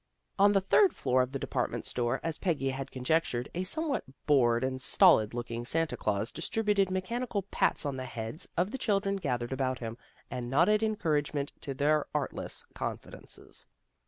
On the third floor of the department store, as Peggy had conjectured, a somewhat bored and stolid looking Santa Glaus distributed mechanical pats on the heads of the children gathered about him, and nodded encourage ment to their artless confidences.